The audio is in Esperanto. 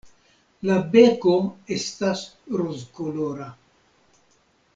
La beko estas rozkolora.